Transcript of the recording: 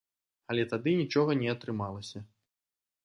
Але тады нічога не атрымалася.